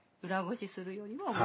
裏ごしするよりも。